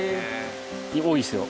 多いですよ。